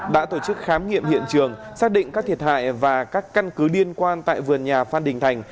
đã tổ chức khám nghiệm hiện trường xác định các thiệt hại và các căn cứ liên quan tại vườn nhà phan đình thành